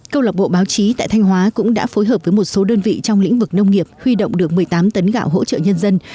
câu lạc bộ báo chí tại thanh hóa cũng đã phối hợp với một số đơn vị trong lĩnh vực nông nghiệp huy động được một mươi tám tấn gạo hỗ trợ nhân dân